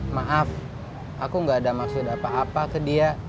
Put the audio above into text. maaf aku gak ada maksud apa apa ke dia